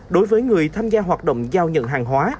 đối với người tham gia hoạt động giao nhận hàng hóa